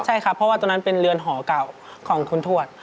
ใช่ครับเพราะว่าตรงนั้นเป็นเรือนหอเก่าของคุณทวด